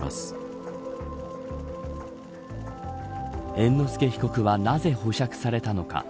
猿之助被告はなぜ保釈されたのか。